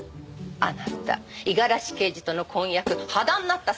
あなた五十嵐刑事との婚約破談になったそうですわね？